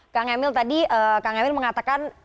kang emil tadi kang emil mengatakan